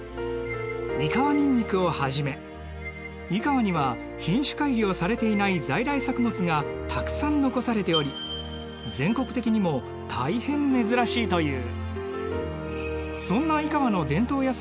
井川には品種改良されていない在来作物がたくさん残されており全国的にも大変珍しいという。